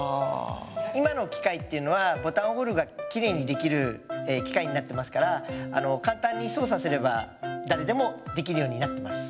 今の機械っていうのはボタンホールがきれいに出来る機械になってますからあの簡単に操作すれば誰でも出来るようになってます。